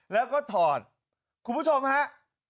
ร่วมผู้ชมครับ